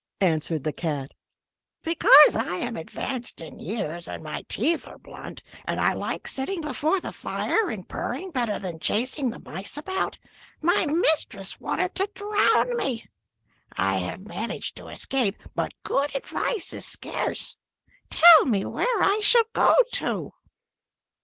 answered the cat. "Because I am advanced in years, and my teeth are blunt, and I like sitting before the fire and purring better than chasing the mice about, my mistress wanted to drown me. I have managed to escape, but good advice is scarce; tell me where I shall go to?"